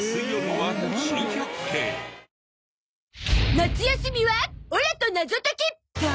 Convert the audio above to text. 夏休みはオラと謎解き！